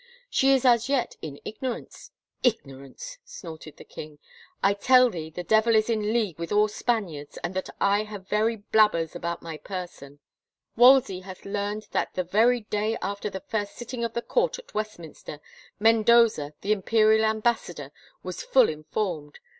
She is as yet in igno rance —"" Ignorance 1 " snorted the king. " I tell thee the devil is in league with all Spaniards and that I have very blabbers about my person 1 Wolsey hath learned that the very day after the first sitting of the court at West minster, Mendoza, the Imperial Ambassador, was full informed.